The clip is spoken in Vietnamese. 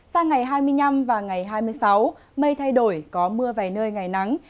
sang ngày hai mươi năm và ngày hai mươi sáu mây thay đổi có mưa vài nơi ngày nắng